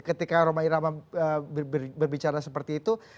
ketika romai rahman berbicara seperti itu